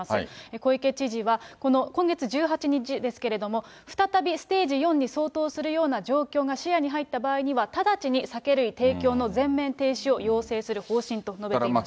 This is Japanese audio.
小池知事は、この今月１８日ですけれども、再びステージ４に相当するような状況が視野に入った場合には、直ちに酒類提供の全面停止を要請する方針と述べていました。